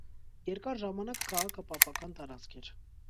Երկար ժամանակ քաղաքը պապական տարածք էր։